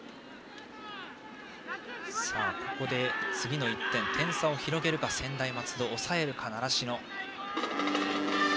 次の１点、点差を広げるか専大松戸抑えるか習志野。